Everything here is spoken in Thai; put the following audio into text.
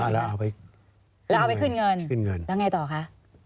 แล้วเอาไปขึ้นเงินแล้วไงต่อคะ